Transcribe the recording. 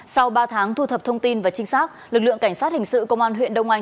sau ba tháng thu thập thông tin và trinh sát lực lượng cảnh sát hình sự công an huyện đông anh